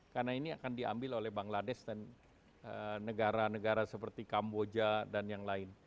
karena ini akan diambil oleh bangladesh dan negara negara seperti kamboja dan yang lain